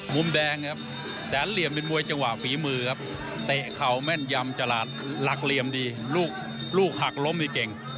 มุมแดงครับแสนเหลี่ยมเป็นมวยจังหวะฝีมือครับเตะเข่าแม่นยำฉลาดหลักเหลี่ยมดีลูกลูกหักล้มนี่เก่ง